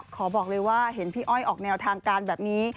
ขอบอกเลยว่าเห็นพี่อ้อยออกแนวทางการแบบนี้